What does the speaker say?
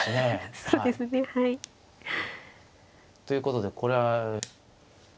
ということでこれは。